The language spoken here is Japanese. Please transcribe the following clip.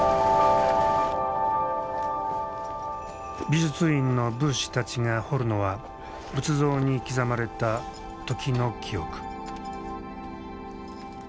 美術院の仏師たちが彫るのは仏像に刻まれた時の記憶。